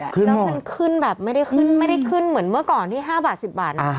แล้วมันขึ้นแบบไม่ได้ขึ้นไม่ได้ขึ้นเหมือนเมื่อก่อนที่๕บาท๑๐บาท